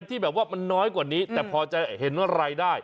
ที่แบบว่ามันน้อยกว่านี้แต่พอจะเห็นว่ารายได้